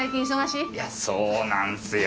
いやそうなんすよ